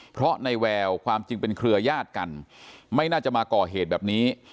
เพราะในแววความจริงเป็นเครือญาติกันไม่น่าจะมาก่อเหตุแบบนี้